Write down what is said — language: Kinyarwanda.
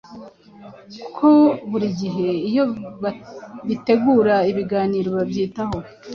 ko buri gihe iyo bitegura ibiganiro babyitaho